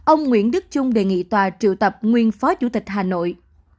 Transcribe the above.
ông nguyễn đức trung đề nghị tòa triệu tập nguyên phó chủ tịch hà nội